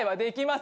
す。